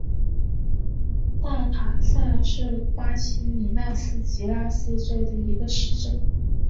大卡萨是巴西米纳斯吉拉斯州的一个市镇。